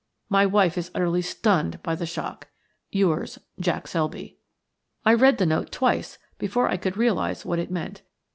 My wife is utterly stunned by the shock. – YOURS, JACK SELBY." I read the note twice before I could realize what it meant.